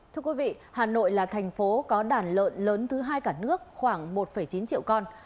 thưa quý vị hà nội là thành phố có đàn lợn lớn thứ hai cả nước khoảng một chín triệu con